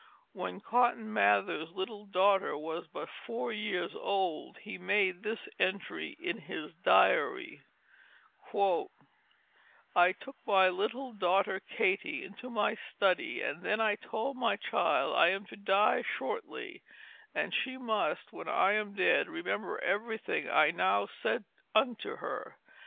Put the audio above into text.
When Cotton Mather's little daughter was but four years old he made this entry in his diary: "I took my little daughter Katy into my Study and then I told my child I am to dye Shortly and shee must, when I am Dead, remember Everything I now said unto her.